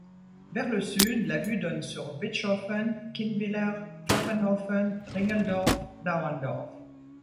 Vers le sud, la vue donne sur Bitschhoffen, Kindwiller, Pfaffenhoffen, Ringeldorf, Dauendorf.